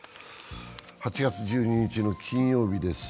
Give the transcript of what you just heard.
８月１２日の金曜日です。